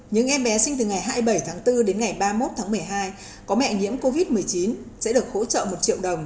những em bé sinh từ ngày hai mươi bảy tháng bốn đến ngày ba mươi một tháng một mươi hai có mẹ nhiễm covid một mươi chín sẽ được hỗ trợ một triệu đồng